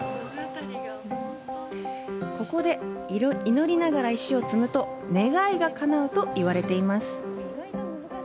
ここで祈りながら石を積むと願いがかなうと言われています。